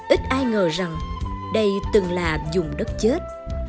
ít ai ngờ rằng đây từng là dùng đất chết